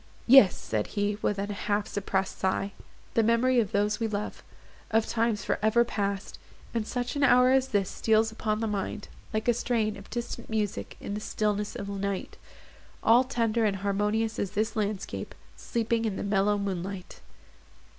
"Yes," said he, with a half suppressed sigh, "the memory of those we love—of times for ever past! in such an hour as this steals upon the mind, like a strain of distant music in the stillness of night;—all tender and harmonious as this landscape, sleeping in the mellow moonlight."